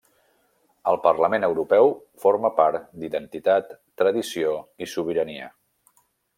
Al Parlament Europeu forma part d'Identitat, Tradició i Sobirania.